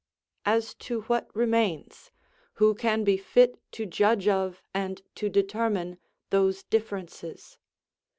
As to what remains, who can be fit to judge of and to determine those differences?